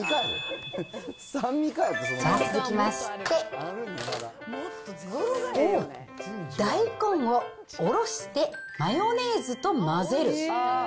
続きまして、おお、大根をおろしてマヨネーズと混ぜる。